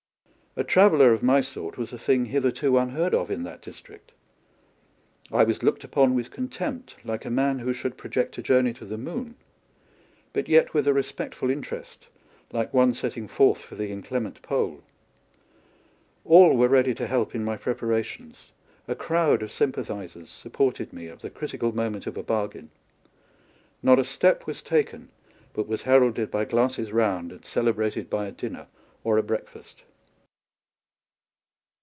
A traveller of my sort was a thing hitlierto unheard of in that district. I was looked upon with contempt, like a man who should project a journey to the moon, but yet with a respectful interest, like one setting forth for the inclement Pole. All were ready to help in my pre parations ; a crowd of sympathisers sup ported me at the critical moment of a bargain ; not a step was taken but was heralded by glasses round and celebrated by a dinner or a breakfast.